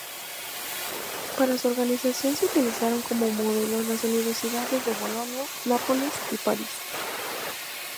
Para su organización se utilizaron como modelos las universidades de Bolonia, Nápoles y París.